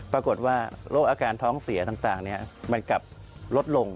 ปรากฏว่ารกอาการท้องเสียทั้งต่างเนี่ยมันกลับลดลง